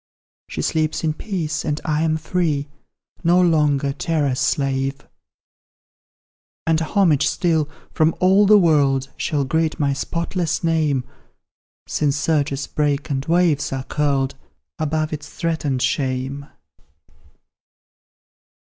She sleeps in peace, and I am free, No longer terror's slave: And homage still, from all the world, Shall greet my spotless name, Since surges break and waves are curled Above its threatened shame."